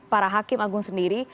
para hakim agung sendiri